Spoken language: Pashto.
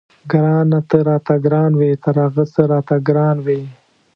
ګرانه ته راته ګران وې تر هر څه راته ګران وې.